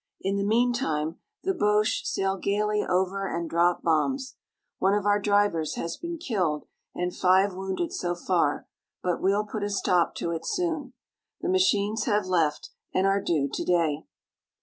In the meantime the Boches sail gaily over and drop bombs. One of our drivers has been killed and five wounded so far but we'll put a stop to it soon. The machines have left and are due to day.